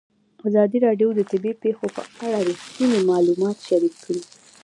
ازادي راډیو د طبیعي پېښې په اړه رښتیني معلومات شریک کړي.